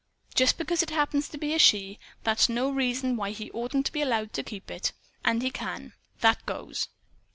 Just because it happens to be a she, that's no reason why he oughtn't to be allowed to keep it. And he can. That goes."